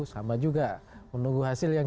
sama juga menunggu hasil yang